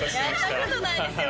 やったことないですよ